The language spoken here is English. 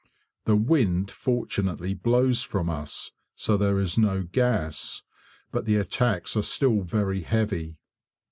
The wind fortunately blows from us, so there is no gas, but the attacks are still very heavy.